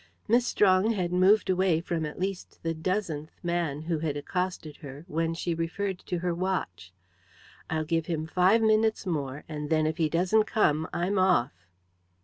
Miss Strong had moved away from at least the dozenth man who had accosted her, when she referred to her watch. "I'll give him five minutes more, and then, if he doesn't come, I'm off."